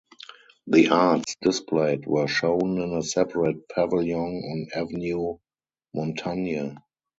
The arts displayed were shown in a separate pavilion on Avenue Montaigne.